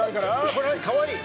これ、かわいい。